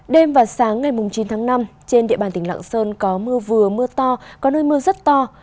đêm và sáng ngày chín tháng năm trên địa bàn tỉnh lạng sơn có mưa vừa mưa to có nơi mưa rất to